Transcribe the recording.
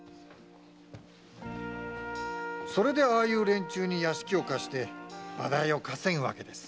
それでああいう連中に屋敷を貸して場代を稼ぐわけです。